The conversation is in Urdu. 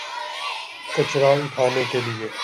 کچرا اٹھانے کے لیے۔